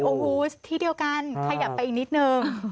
โอ้โหที่เดียวกันขยับไปอีกนิดนึง